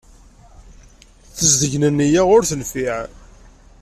Tezdeg n nneyya ur tenfiɛ.